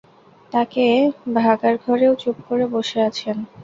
তাঁকে ভাঁড়ারঘরেও চুপ করে বসে আছেন।